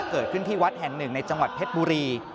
เกิดขึ้นที่วัดแห่งหนึ่งในจังหวัดเพชรบุรี